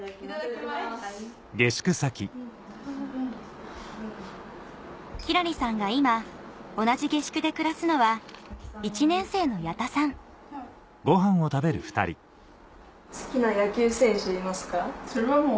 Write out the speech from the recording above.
きらりさんが今同じ下宿で暮らすのは１年生の矢田さんそれはもう。